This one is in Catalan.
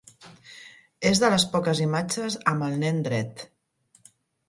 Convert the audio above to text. És de les poques imatges amb el nen dret.